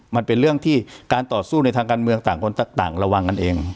มันเป็นเรื่องที่การต่อสู้ในทางการเมืองต่างคนต่างระวังกันเอง